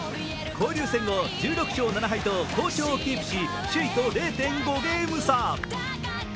交流戦後１６勝７敗と好調をキープし首位と０．５ゲーム差。